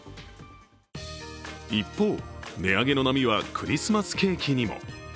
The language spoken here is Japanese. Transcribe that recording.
一方、値上げの波はクリスマスケーキにも。